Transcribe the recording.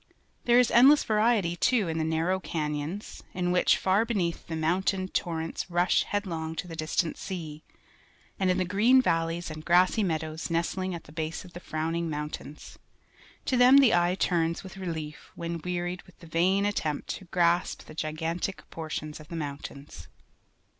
There is endless variety, too, in the narrow can3'ons, in which, far beneath, the moimtain torrents rush headlong to the distant sea, and in the green valleys and grassy meadows nestling at the base of the frowning mountains. To them the eye turns with relief when wearied with the vain attempt to grasp the gigantic proportions of the mountains.